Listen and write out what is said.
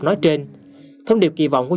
nói trên thông điệp kỳ vọng của